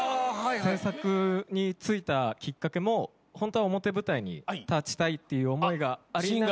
制作についたきっかけもホントは表舞台に立ちたいっていう思いがありながら。